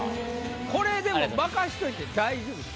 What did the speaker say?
これでも任しといて大丈夫ですか？